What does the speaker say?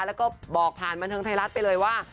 แล้วก็บอกผ่านบันเทิงไทยรัฐไปเลยว่า